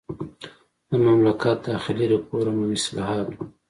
د مملکت داخلي ریفورم او اصلاحات وو.